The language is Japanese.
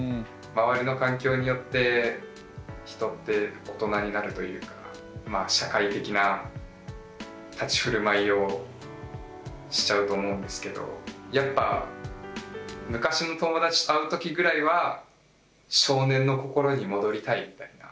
周りの環境によって人って大人になるというか社会的な立ち居振る舞いをしちゃうと思うんですけどやっぱ昔の友達と会うときぐらいは少年の心に戻りたいみたいな。